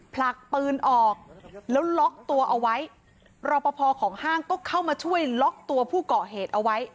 ผลักปืนออกแล้วล็อกตัวเอาไว้รอปภของห้างก็เข้ามาช่วยล็อกตัวผู้เกาะเหตุเอาไว้